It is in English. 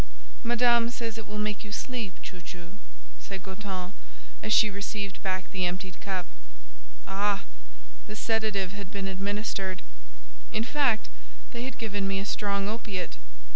"Madame says it will make you sleep, chou chou," said Goton, as she received back the emptied cup. Ah! the sedative had been administered. In fact, they had given me a strong opiate.